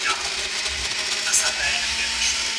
آیا د غڼې جال تر تار نازک دی؟